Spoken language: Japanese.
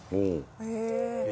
へえ。